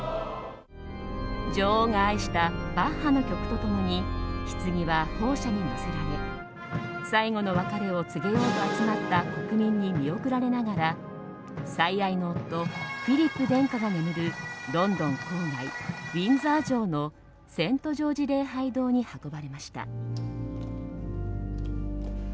女王が愛したバッハの曲と共にひつぎは砲車に乗せられ最後の別れを告げようと集まった国民に見送られながら最愛の夫フィリップ殿下が眠るロンドン郊外ウィンザー城のセント・ジョージ礼拝堂に運ばれました。